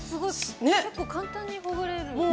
簡単にほぐれる。